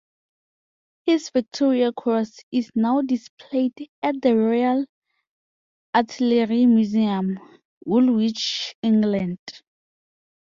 His Victoria Cross is now displayed at the Royal Artillery Museum, Woolwich, England.